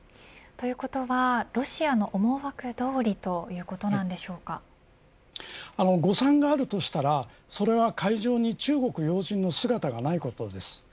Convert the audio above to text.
ということは、ロシアの思惑どおり誤算があるとしたらそれは会場に中国要人の姿がないことです。